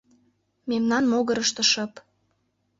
Мемнан могырышто шып.